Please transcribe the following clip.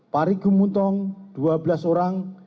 pari gemuntong dua belas orang